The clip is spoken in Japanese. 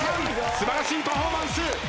素晴らしいパフォーマンス。